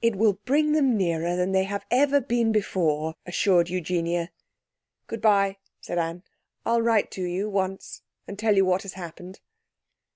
'It will bring them nearer than they have ever been before,' assured Eugenia. 'Good bye,' said Anne. 'I'll write to you once and tell you what has happened.'